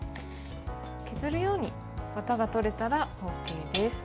削るようにワタが取れたらＯＫです。